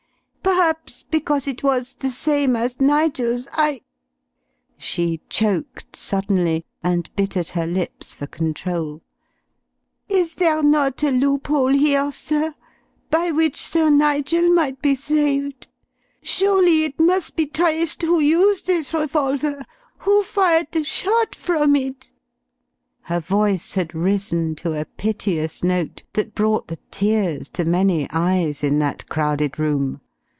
Perhaps because it was the same as Nigel's, I " she choked suddenly, and bit at her lips for control. "Is there not a loophole here, sir, by which Sir Nigel might be saved? Surely it must be traced who used this revolver, who fired the shot from it?" Her voice had risen to a piteous note that brought the tears to many eyes in that crowded room.